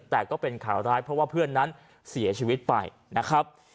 แต่ก็เป็นข่าวร้ายเพราะว่าเพื่อนนั้นเสียชีวิตไปนะครับ